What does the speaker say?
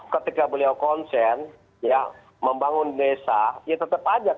ketika beliau konsen ya membangun desa ya tetap saja